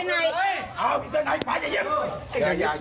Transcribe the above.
ตอบแหล้วมึงเนี้ย